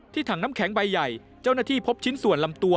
ถังน้ำแข็งใบใหญ่เจ้าหน้าที่พบชิ้นส่วนลำตัว